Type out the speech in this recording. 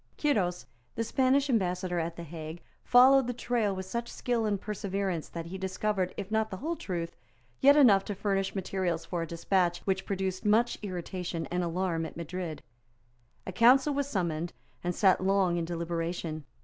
Quiros, the Spanish Ambassador at the Hague, followed the trail with such skill and perseverance that he discovered, if not the whole truth, yet enough to furnish materials for a despatch which produced much irritation and alarm at Madrid. A council was summoned, and sate long in deliberation.